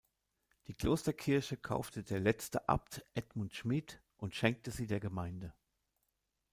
Die Klosterkirche kaufte der letzte Abt Edmund Schmid und schenkte sie der Gemeinde.